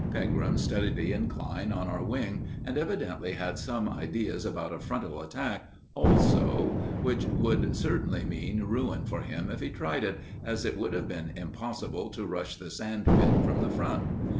Pegram studied the incline on our wing, and evidently had some ideas about a frontal attack also, which would certainly mean ruin for him if he tried it, as it would have been impossible to rush the sand pit from the front.